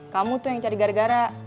kamu tuh yang cari gara gara